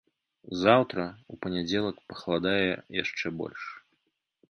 Заўтра, у панядзелак пахаладае яшчэ больш.